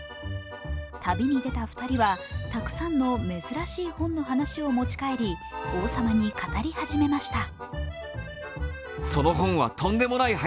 旅に出た２人はたくさんの「めずらしい本」の話を持ち帰り王様に語り始めました。